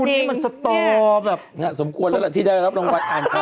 วันนี้มันสตอแบบสมควรแล้วล่ะที่ได้รับรางวัลอ่านข่าว